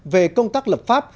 về công tác lập pháp